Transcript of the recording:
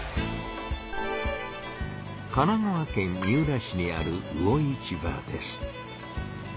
神奈川県三浦市にある魚市場です。